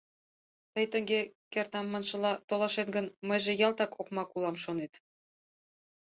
Тый тыге, кертам маншыла, толашет гын, мыйже ялтак окмак улам, шонет?